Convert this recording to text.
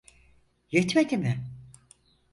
Yetmedi mi?